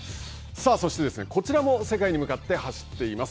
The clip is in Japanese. そして、こちらも世界に向かって走っています。